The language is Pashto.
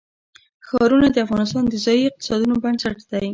ښارونه د افغانستان د ځایي اقتصادونو بنسټ دی.